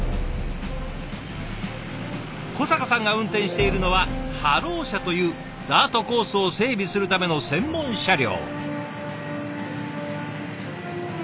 小坂さんが運転しているのはハロー車というダートコースを整備するための専門車両。